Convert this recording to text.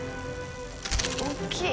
大きい！